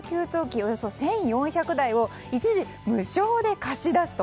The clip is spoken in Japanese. およそ１４００台を一時無償で貸し出すと。